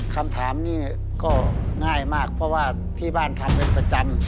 คำถามนี้ก็ง่ายมากเพราะว่าที่บ้านทำเป็นประจำ